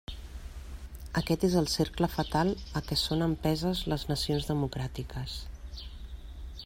Aquest és el cercle fatal a què són empeses les nacions democràtiques.